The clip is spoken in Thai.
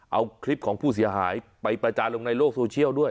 เอาคลิปของผู้เสียหายไปประจานลงในโลกโซเชียลด้วย